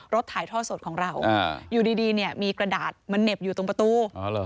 ถ่ายท่อสดของเราอยู่ดีเนี่ยมีกระดาษมาเหน็บอยู่ตรงประตู